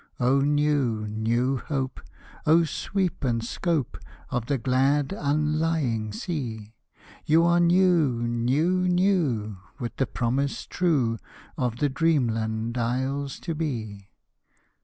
O new, new hope! O sweep and scope Of the glad, unlying sea! You are new, new, new with the promise true Of the dreamland isles to be.